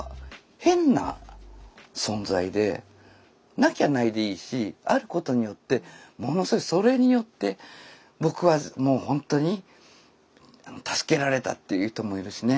なきゃないでいいしあることによってものすごいそれによって僕はもうほんとに助けられたっていう人もいるしね。